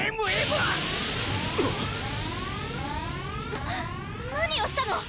な何をしたの？